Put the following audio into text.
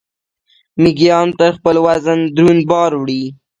میږیان تر خپل وزن دروند بار وړي